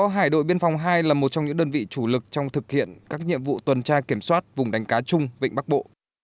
hải đội biên phòng hai là một trong những đơn vị chủ lực trong thực hiện các nhiệm vụ tuần tra kiểm soát vùng đánh cá chung vịnh bắc bộ